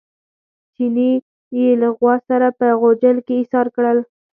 چیني یې له غوا سره په غوجل کې ایسار کړل.